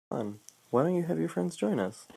Why don't you have your friends join us?